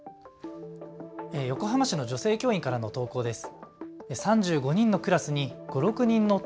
横浜市の女性教員からの投稿です。